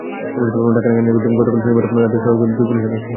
ঢাকার কেরানীগঞ্জে গতকাল শনিবার রাতে সড়ক দুর্ঘটনায় দুই পুলিশ সদস্য নিহত হয়েছেন।